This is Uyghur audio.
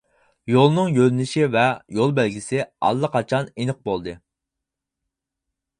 يولنىڭ يۆنىلىشى ۋە يول بەلگىسى ئاللىقاچان ئېنىق بولدى!